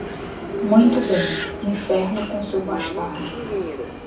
Muito bem, inferno com seu bastardo.